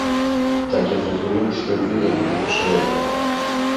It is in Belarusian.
Так я зразумеў, што ён ведае гэтага чалавека.